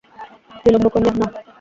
বিল্বন কহিলেন, না।